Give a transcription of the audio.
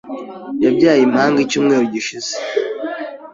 Yabyaye impanga icyumweru gishize .